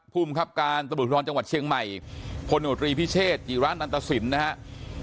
ภูมิคับการตะบุธรณ์จังหวัดเชียงใหม่พลพิเชษหรือร้านอันตสินนะครับ